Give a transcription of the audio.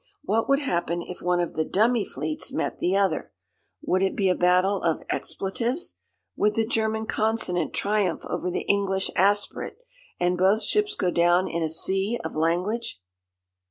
What would happen if one of the 'dummy' fleets met the other? Would it be a battle of expletives? Would the German consonant triumph over the English aspirate, and both ships go down in a sea of language?